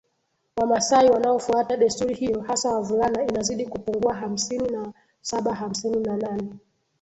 Wamasai wanaofuata desturi hiyo hasa wavulana inazidi kupungua hamsini na sabahamsini na nane